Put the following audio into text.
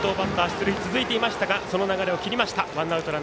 出塁が続いていましたがその流れを切りました。